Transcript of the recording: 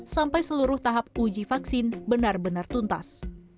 sampai seluruh tahap uji vaksin benar benar tuntas